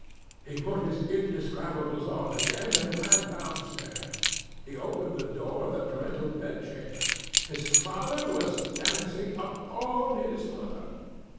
He put his indescribables on again, and ran down stairs. He opened the door of the parental bed chamber. His father was dancing upon his mother.